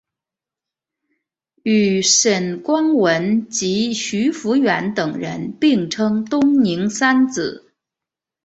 与沈光文及徐孚远等人并称东宁三子。